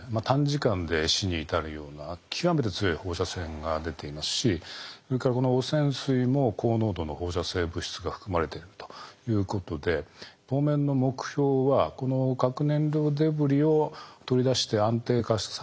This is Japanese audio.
短時間で死に至るような極めて強い放射線が出ていますしそれからこの汚染水も高濃度の放射性物質が含まれているということで当面の目標はこの核燃料デブリを取り出して安定化させてですね